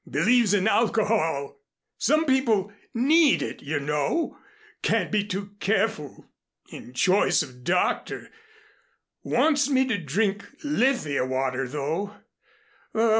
Believes in alcohol. Some people need it, you know. Can't be too careful in choice of doctor. Wants me to drink Lithia water, though.